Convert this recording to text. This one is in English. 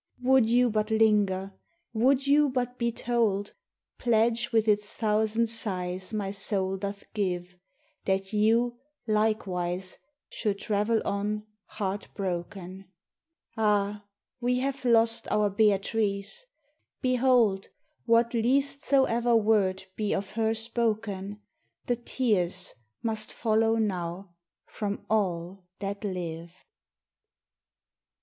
Would you but linger, would you but be told, Pledge with its thousand sighs my soul doth give That you, likewise, should travel on heart broken: Ah, we have lost our Beatrice! Behold, What least soever word be of her spoken, The tears must follow now from all that live.